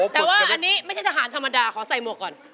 แต่ว่าอันนี้ไม่ใช่ทหารธรรมดาขอใส่หมวกก่อน